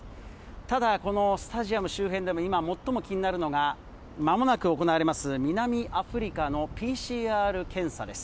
ただ、このスタジアム周辺でも今最も気になるのが、まもなく行われます南アフリカのＰＣＲ検査です。